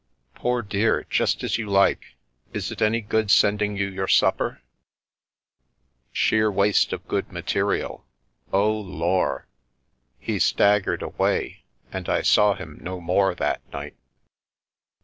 " Poor dear, just as you like. Is it any good sending you your supper ?" "Sheer waste of good material! Oh, Lor'!" He staggered away, and I saw him no more that night.